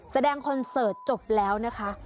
คอนเสิร์ตจบแล้วนะคะ